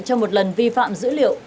cho một lần vi phạm dữ liệu